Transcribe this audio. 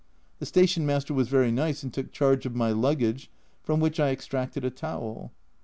The station master was very nice, and took charge of my luggage, from which I extracted a towel.